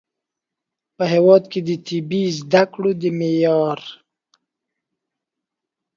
په هیواد کې د طبي زده کړو د معیار